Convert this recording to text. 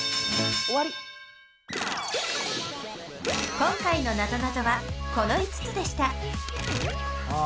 今回のなぞなぞはこの５つでしたあ